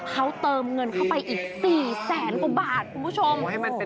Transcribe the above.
เขาเติมเงินเข้าไปอีก๔แสนกว่าบาทคุณผู้ชม